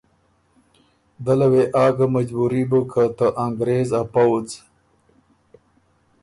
دله وې آ ګه مجبُوري بُک که ته انګرېز ا پؤځ